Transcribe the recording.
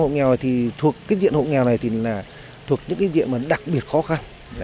sáu mươi bốn hộ nghèo thì thuộc cái diện hộ nghèo này thì là thuộc những cái diện đặc biệt khó khăn